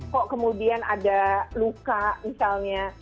kok kemudian ada luka misalnya